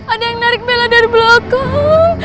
ada yang narik bela dari belakang